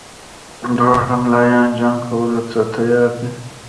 دواړه ملایان جنګ کولو ته تیار دي.